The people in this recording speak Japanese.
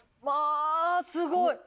まあすごい！